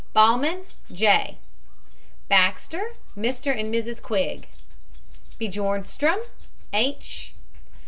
BAHMANN, J. BAXTER, MR. AND MRS. QUIGG. BJORNSTROM, H.